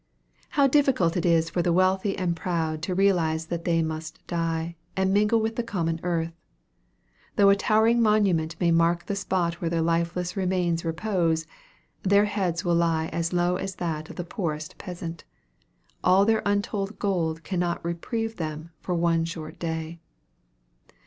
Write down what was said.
How difficult it is for the wealthy and proud to realize that they must die, and mingle with the common earth! Though a towering monument may mark the spot where their lifeless remains repose, their heads will lie as low as that of the poorest peasant. All their untold gold cannot reprieve them for one short day.